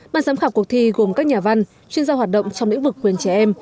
ban giám khảo cuộc thi gồm các nhà văn chuyên gia hoạt động trong lĩnh vực quyền trẻ em